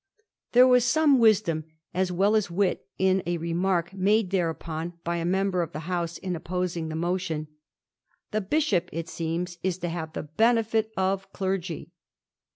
There was some wisdom as well as wit in a remark made thereupon by a member of the House in opposing the motion —^ the Bishop, it seems, is to have the benefit of clergy.'